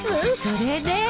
それで。